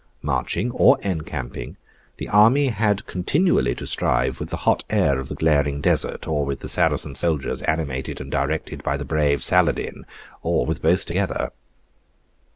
Marching or encamping, the army had continually to strive with the hot air of the glaring desert, or with the Saracen soldiers animated and directed by the brave Saladin, or with both together.